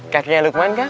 kakeknya lukman kan